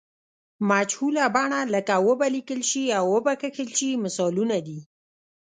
مجهوله بڼه لکه و به لیکل شي او و به کښل شي مثالونه دي.